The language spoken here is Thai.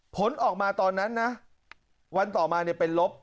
ผลออกมาตอนนั้นนะวันต่อมาเป็นลบ